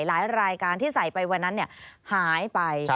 หลายรายการที่ใส่ไปวันนั้นหายไป